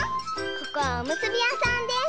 ここはおむすびやさんです。